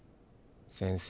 先生